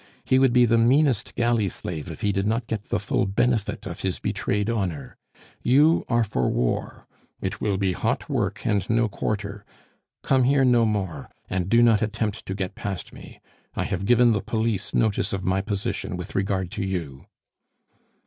he would be the meanest galley slave if he did not get the full benefit of his betrayed honor. You are for war; it will be hot work and no quarter. Come here no more, and do not attempt to get past me. I have given the police notice of my position with regard to you."